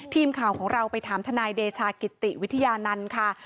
ทีมข่าวของเราไปถามทนายเดชากิติวิทยานันต์ค่ะ